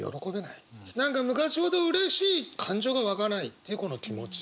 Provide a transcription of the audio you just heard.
何か昔ほどうれしい感情が湧かないっていうこの気持ち。